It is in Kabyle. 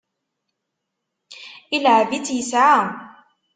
Ileɛɛeb-itt yesɛa.